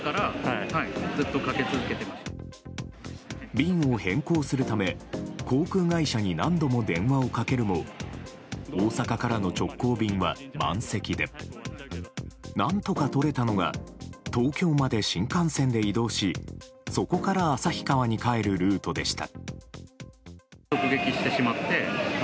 便を変更するため航空会社に何度も電話をかけるも大阪からの直行便は満席で何とか取れたのが東京まで新幹線で移動しそこから旭川に帰るルートでした。